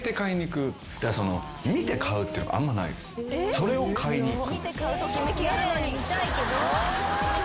それを買いに行く。